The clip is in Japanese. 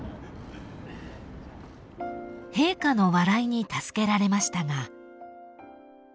［陛下の笑いに助けられましたが］